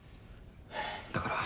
だから。